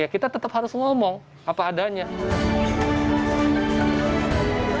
kita tetap harus ngomong apa adanya